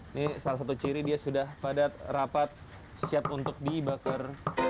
ini salah satu ciri dia sudah padat rapat siap untuk dibakar